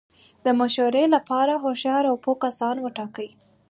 د مشورې له پاره هوښیار او پوه کسان وټاکئ!